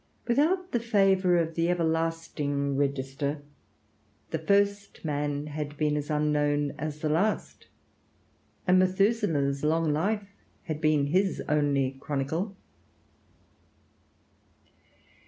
Without the favor of the everlasting register, the first man had been as unknown as the last, and Methuselah's long life had been his only chronicle.